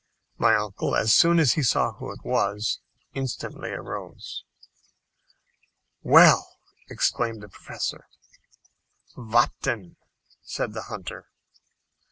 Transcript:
My uncle, as soon as he saw who it was, instantly arose. "Well!" exclaimed the Professor. "Vatten," said the hunter.